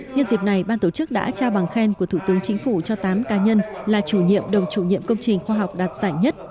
nhân dịp này ban tổ chức đã trao bằng khen của thủ tướng chính phủ cho tám ca nhân là chủ nhiệm đồng chủ nhiệm công trình khoa học đạt giải nhất